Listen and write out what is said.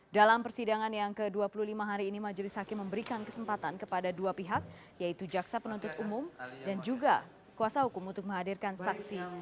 dalam persidangan yang ke dua puluh lima hari ini majelis hakim memberikan kesempatan kepada dua pihak yaitu jaksa penuntut umum dan juga kuasa hukum untuk menghadirkan saksi